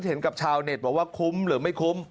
เห็นกับชาวเน็ตบอกว่าคุ้มหรือไม่คุ้ม